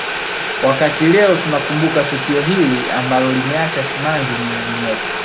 Wakati leo tunakumbuka tukio hili ambalo limeacha simanzi mioyoni mwetu